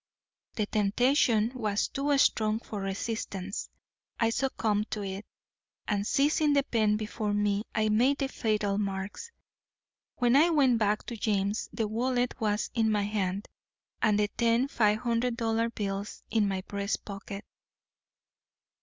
The temptation was too strong for resistance. I succumbed to it, and seizing the pen before me, I made the fatal marks. When I went back to James the wallet was in my hand, and the ten five hundred dollar bills in my breast pocket."